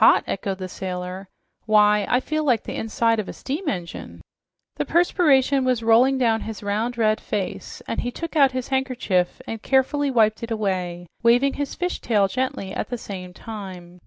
"Hot!" echoed the sailor. "Why, I feel like the inside of a steam engine!" The perspiration was rolling down his round, red face, and he took out his handkerchief and carefully wiped it away, waving his fish tail gently at the same time.